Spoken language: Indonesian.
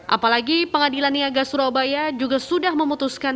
apalagi pengadilan niaga surabaya juga sudah memutuskan